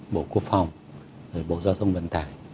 bộ quốc phòng bộ giao thông vận tải